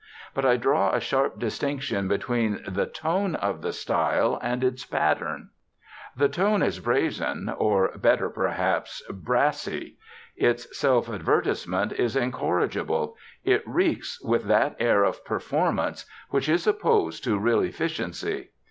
But I draw a sharp distinction between the tone of the style and its pattern. The tone is brazen, or, better perhaps, brassy; its self advertisement is incorrigible; it reeks with that air of performance which is opposed to real efficiency.